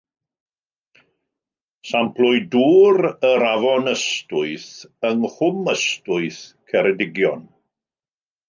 Samplwyd dŵr yr Afon Ystwyth yng Nghwm Ystwyth, Ceredigion.